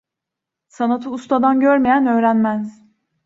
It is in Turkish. Sanatı ustadan görmeyen öğrenmez.